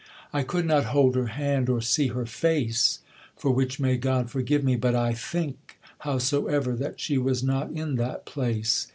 I could not hold her hand, or see her face; For which may God forgive me! but I think, Howsoever, that she was not in that place.